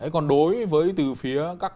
còn đối với từ phía các